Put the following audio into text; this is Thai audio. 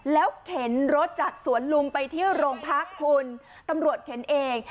แล้วเข็นรถจากสวนลุงไปที่โรงพักคุณตำรวจเข็นเอง